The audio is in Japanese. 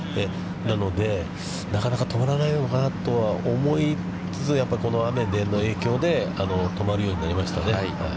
なので、なかなか止まらないのかなとは思いつつ、この雨の影響で止まるようになりましたね。